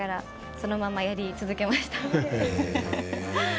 そのままやり続けました。